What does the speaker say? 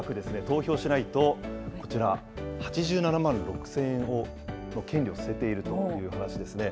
投票しないとこちら、８７万６０００円の権利を捨てているという話ですね。